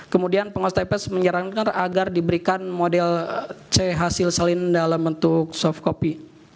kemudian penguasa tps menyarankan agar diberikan model c hasil selin dalam bentuk soft copy